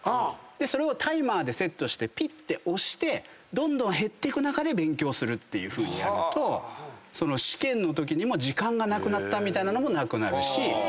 それをタイマーでセットしてピッて押してどんどん減ってく中で勉強するっていうふうにやると試験のときにも時間がなくなったみたいなのもなくなるし。